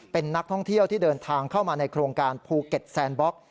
เป็นนักท่องเที่ยวที่เดินทางเข้ามาในโครงการภูเก็ตแซนบล็อก